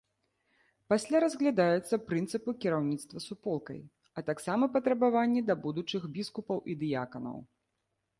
Пасля разглядаюцца прынцыпы кіраўніцтва суполкай, а таксама патрабаванні да будучых біскупаў і дыяканаў.